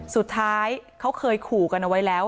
สุดท้ายเขาเคยขู่กันเอาไว้แล้ว